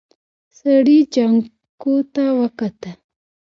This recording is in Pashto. سړي جانکو ته وکتل.